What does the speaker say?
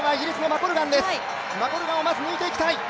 マコルガンをまず抜いていきたい。